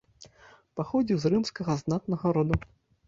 Паходзіў з рымскага знатнага роду.